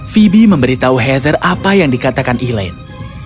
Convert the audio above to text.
phibie memberitahu heather apa yang dikatakan elaine